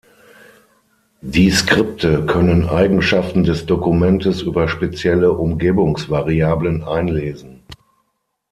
Die Skripte können Eigenschaften des Dokumentes über spezielle Umgebungsvariablen einlesen.